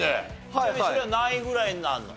ちなみにそれは何位ぐらいになるの？